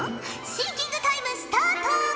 シンキングタイムスタート！